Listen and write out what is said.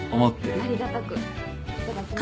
じゃあありがたくいただきます。